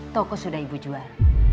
toko sudah ibu jual